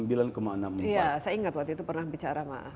iya saya ingat waktu itu pernah bicara sama pak dhani